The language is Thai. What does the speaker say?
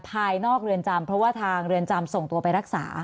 ภายนอกเรือนจำเพราะว่าทางเรือนจำส่งตัวไปรักษา